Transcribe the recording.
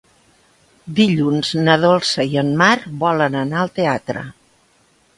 Dilluns na Dolça i en Marc volen anar al teatre.